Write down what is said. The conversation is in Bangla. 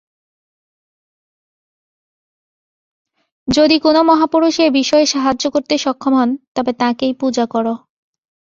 যদি কোন মহাপুরুষ এ-বিষয়ে সাহায্য করতে সক্ষম হন, তবে তাঁকেই পূজা কর।